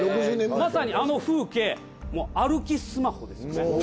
まさにあの風景歩きスマホですよね。